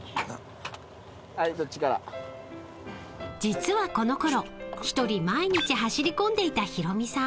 ［実はこのころ一人毎日走りこんでいたヒロミさん］